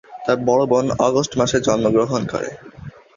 তার বড় বোন আগস্ট মাসে জন্মগ্রহণ করে।